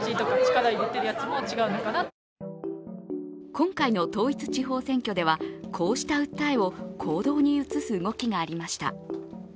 今回の統一地方選挙ではこうした訴えを行動に移す動きがありました。